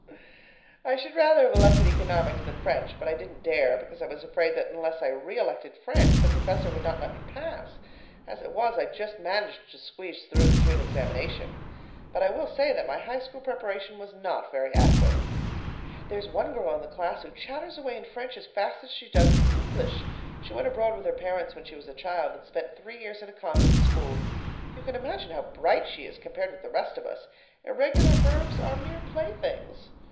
I should rather have elected economics than French, but I didn't dare, because I was afraid that unless I re elected French, the Professor would not let me pass as it was, I just managed to squeeze through the June examination. But I will say that my high school preparation was not very adequate. There's one girl in the class who chatters away in French as fast as she does in English. She went abroad with her parents when she was a child, and spent three years in a convent school. You can imagine how bright she is compared with the rest of us irregular verbs are mere playthings.